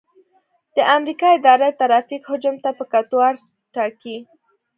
د امریکا اداره د ترافیک حجم ته په کتو عرض ټاکي